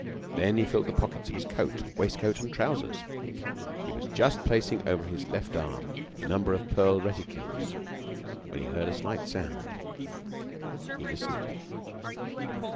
Then he filled the pockets of his coat, waistcoat and trousers. And he was just placing over his left arm a number of pearl reticules when he heard a slight sound. He listened.